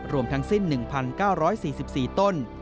รวมทั้งสิ้น๑๙๔๔ต้น